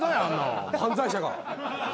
犯罪者が。